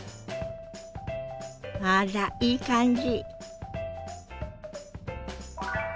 あらいい感じ。